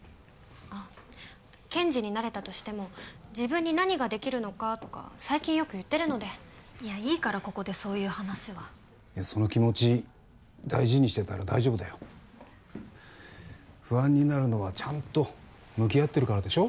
あっ検事になれたとしても自分に何ができるのかとか最近よく言ってるのでいやいいからここでそういう話はいやその気持ち大事にしてたら大丈夫だよ不安になるのはちゃんと向き合ってるからでしょ？